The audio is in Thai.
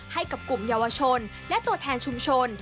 ให้กับกลุ่มเยาวชนและตัวแทนชุมชน